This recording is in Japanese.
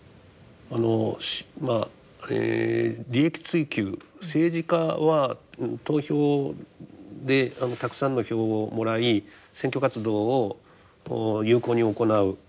あのまあ利益追求政治家は投票でたくさんの票をもらい選挙活動を有効に行う。